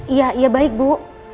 iya iya baik bu